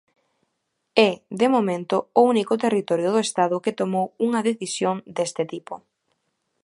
É, de momento, o único territorio do Estado que tomou unha decisión deste tipo.